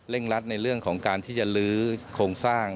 รัดในเรื่องของการที่จะลื้อโครงสร้าง